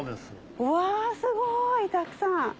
わすごいたくさん！